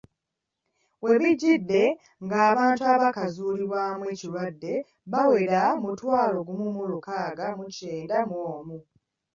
We bijjidde ng'abantu abaakazuulibwamu ekirwadde bawera mutwalo gumu mu lukaaga mu kyenda mw'omu.